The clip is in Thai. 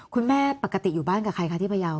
คุณแม่ปกติอยู่บ้านกับใครคะที่พยาว